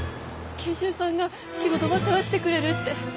賢秀さんが仕事ば世話してくれるって。